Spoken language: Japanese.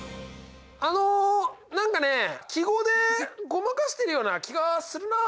あの何かね記号でごまかしてるような気がするなあ。